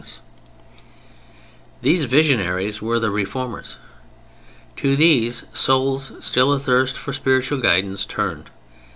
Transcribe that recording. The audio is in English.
These visionaries were the Reformers; to these, souls still athirst for spiritual guidance turned.